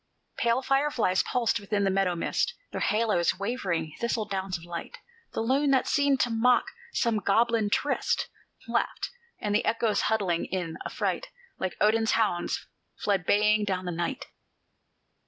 Pale fireflies pulsed within the meadow mist Their halos, wavering thistle downs of light; The loon, that seemed to mock some goblin tryst, Laughed; and the echoes, huddling in affright, Like Odin's hounds, fled baying down the night.